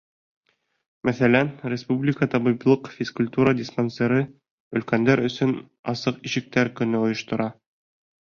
Мәҫәлән, Республика табиплыҡ-физкультура диспансеры өлкәндәр өсөн Асыҡ ишектәр көнө ойоштора.